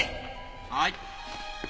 はい。